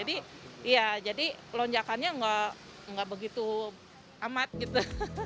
iya jadi lonjakannya nggak begitu amat gitu